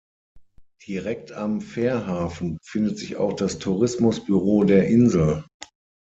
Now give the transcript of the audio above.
Direkt am Fährhafen befindet sich auch das Tourismusbüro der Insel.